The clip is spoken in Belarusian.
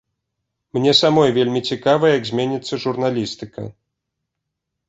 Мне самой вельмі цікава, як зменіцца журналістыка.